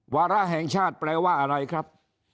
วาระแห่งชาติแปลว่าอะไรครับ